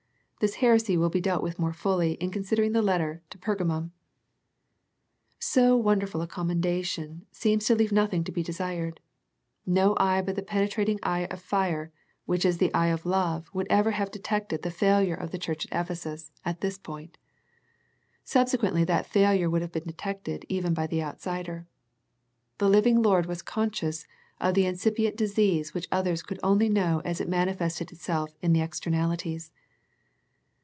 This heresy will be dealt with more fully in considering the letter to Pergamum. So wonderful a commendation seems to leave nothing to be desired. No eye but the penetrating eye of fire which is the eye of love would ever have detected the failure of the 40 A First Century Message church at Ephesus, at this point. Subsequently that failure would have been detected even by the outsider. The Hving Lord was conscious of the incipient disease which others could only know as it manifested itself in the ex ternalities.